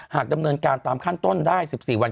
ดำเนินการตามขั้นต้นได้๑๔วัน